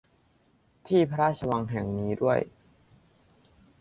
ที่พระราชวังแห่งนี้ด้วย